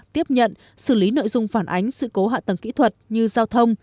tiếp nhận xử lý nội dung phản ánh sự cố hạ tầng kỹ thuật như giao thông